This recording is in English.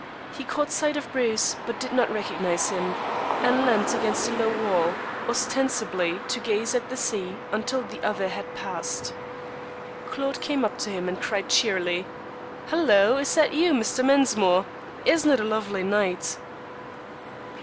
He caught sight of Bruce, but did not recognize him, and leant against a low wall, ostensibly to gaze at the sea until the other had passed. Claude came up to him and cried cheerily: "Hello! Is that you, Mr. Mensmore? Isn't it a lovely night?"